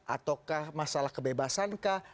ataukah masalah kebebasankah